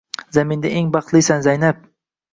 Zaminda eng baxtlisan Zaynab.